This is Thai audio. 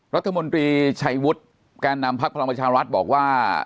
รัฐมนตรีชัยวุฒิแกนดำพักธรรมชาวรัฐบอกว่า